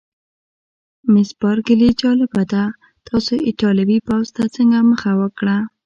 مس بارکلي: جالبه ده، تاسي ایټالوي پوځ ته څنګه مخه وکړه؟